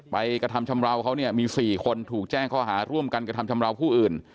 กระทำชำราวเขาเนี่ยมี๔คนถูกแจ้งข้อหาร่วมกันกระทำชำราวผู้อื่น